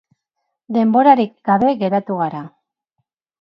Denborarik gabe geratuko gara.